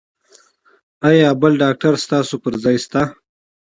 ایا بل ډاکټر ستاسو پر ځای شته؟